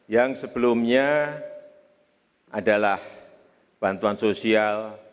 yang sebelumnya adalah bantuan sosial